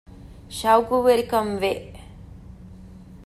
ޝައުޤުވެރިކަން ވެ